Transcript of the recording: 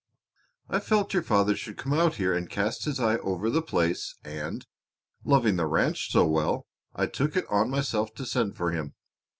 "I felt your father should come out here and cast his eye over the place and, loving the ranch so well, I took it on myself to send for him.